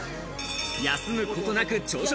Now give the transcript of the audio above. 休むことなく朝食。